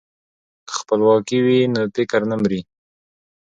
که خپلواکي وي نو فکر نه مري.